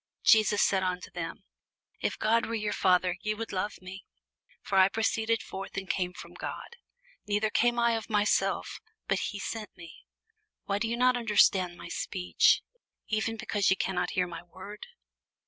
Jesus said unto them, If God were your Father, ye would love me: for I proceeded forth and came from God; neither came I of myself, but he sent me. Why do ye not understand my speech? even because ye cannot hear my word.